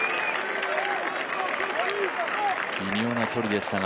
微妙な距離でしたが。